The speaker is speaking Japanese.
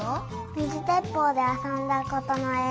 みずでっぽうであそんだことのえ。